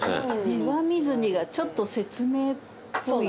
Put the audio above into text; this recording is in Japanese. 「値は見ずに」がちょっと説明っぽい。